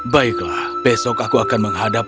baiklah besok aku akan menghadap